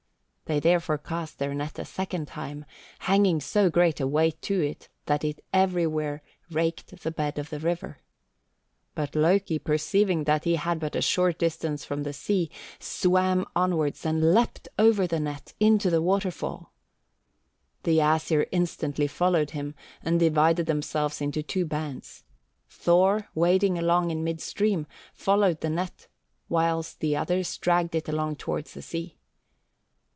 They therefore cast their net a second time, hanging so great a weight to it that it everywhere raked the bed of the river. But Loki, perceiving that he had but a short distance from the sea, swam onwards and leapt over the net into the waterfall. The Æsir instantly followed him, and divided themselves into two bands. Thor, wading along in mid stream, followed the net, whilst the others dragged it along towards the sea.